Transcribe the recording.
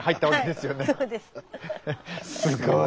すごい。